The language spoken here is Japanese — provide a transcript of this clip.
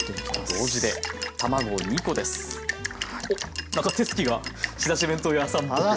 おっ何か手つきが仕出し弁当屋さんっぽく。